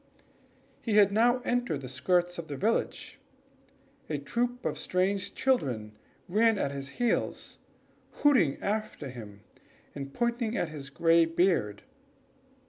He had now entered the skirts of the village. A troop of strange children ran at his heels, hooting after him, and pointing at his gray beard.